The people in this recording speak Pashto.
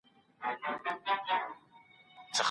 د شرعي علتونو په موجوديت کي قاضي څه واک لري؟